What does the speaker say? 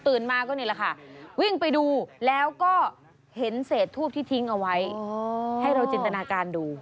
มาก็นี่แหละค่ะวิ่งไปดูแล้วก็เห็นเศษทูบที่ทิ้งเอาไว้ให้เราจินตนาการดู